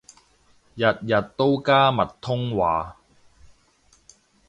日日都加密通話